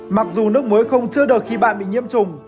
mặc dù nước muối không chơ được khi bạn bị nhiêm trùng